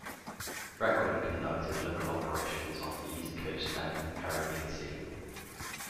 "Requin" conducted local operations off the East Coast and in the Caribbean Sea.